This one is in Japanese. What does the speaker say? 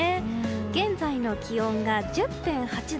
現在の気温が１０．８度。